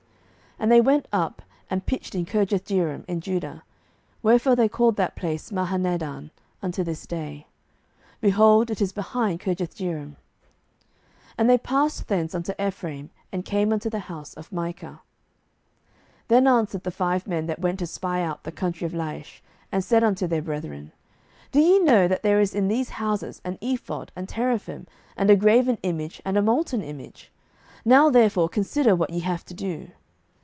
07:018:012 And they went up, and pitched in Kirjathjearim, in Judah: wherefore they called that place Mahanehdan unto this day: behold, it is behind Kirjathjearim. 07:018:013 And they passed thence unto mount Ephraim, and came unto the house of Micah. 07:018:014 Then answered the five men that went to spy out the country of Laish, and said unto their brethren, Do ye know that there is in these houses an ephod, and teraphim, and a graven image, and a molten image? now therefore consider what ye have to do.